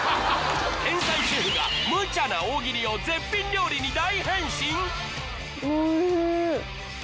天才シェフがむちゃな大喜利を絶品料理に大変身。